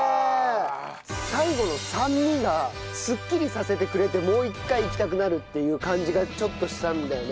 最後の酸味がすっきりさせてくれてもう一回いきたくなるっていう感じがちょっとしたんだよね。